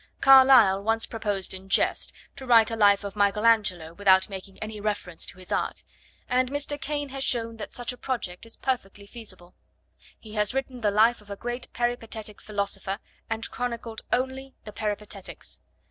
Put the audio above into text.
Carlyle once proposed in jest to write a life of Michael Angelo without making any reference to his art, and Mr. Caine has shown that such a project is perfectly feasible. He has written the life of a great peripatetic philosopher and chronicled only the peripatetics.